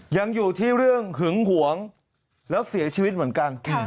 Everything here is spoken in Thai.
ยังอยู่ที่เรื่องหึงหวงแล้วเสียชีวิตเหมือนกัน